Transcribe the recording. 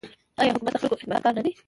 آیا حکومت د خلکو خدمتګار نه دی؟